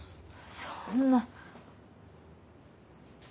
そんな。